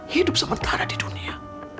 hidup sementara di dunia